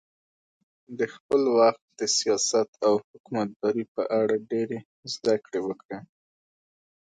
د خپل وخت د سیاست او حکومتدارۍ په اړه ډېرې زده کړې وکړې.